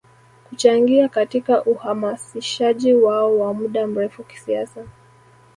Kuchangia katika uhamasishaji wao wa muda mrefu kisiasa